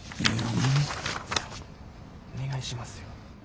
お願いしますよ。